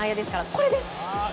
これです！